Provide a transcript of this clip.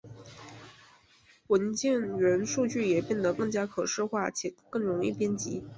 文件元数据也变得更加可视化且更容易编辑。